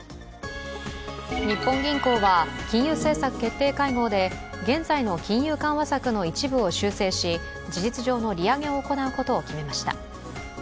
日本銀行は金融政策決定会合で現在の金融緩和策の一部を修正し、事実上の利上げを行うことを決めました。